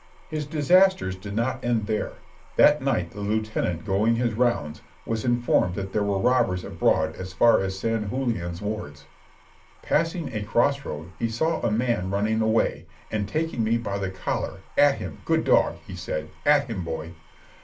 His disasters did not end there. That night the lieutenant going his rounds, was informed that there were robbers abroad as far as San Julian's wards. Passing a cross road he saw a man running away, and taking me by the collar, "At him, good dog!" he said, "At him, boy!"